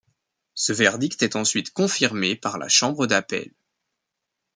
Ce verdict est ensuite confirmé par la Chambre d'appel.